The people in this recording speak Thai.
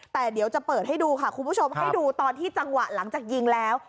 แต่เดี๋ยวจะเปิดให้ดูค่ะคุณผู้ชมให้ดูตอนที่จังหวะหลังจากยิงแล้ว